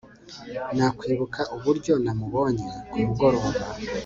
nakwibuka uburyo namubonye kumugoroba